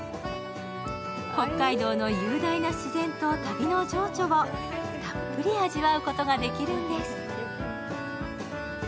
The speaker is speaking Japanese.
北海道の雄大な自然と旅の情緒をたっぷり味わうことができるんです。